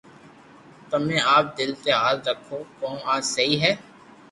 تمي آپ دل تي ھاٿ رکو ڪو آ سھي ھي